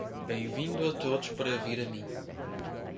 Bem-vindo a todos para vir a mim.